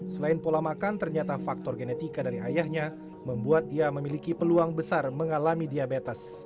selain pola makan ternyata faktor genetika dari ayahnya membuat ia memiliki peluang besar mengalami diabetes